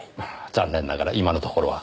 残念ながら今のところは。